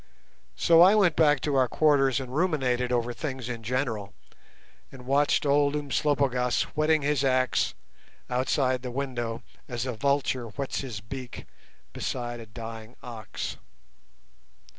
So I went back to our quarters and ruminated over things in general, and watched old Umslopogaas whetting his axe outside the window as a vulture whets his beak beside a dying ox.